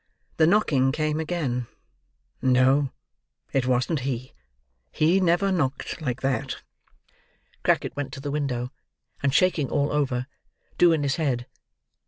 The knocking came again. No, it wasn't he. He never knocked like that. Crackit went to the window, and shaking all over, drew in his head.